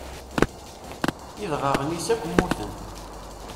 Idɣaɣen-is akk mmuten.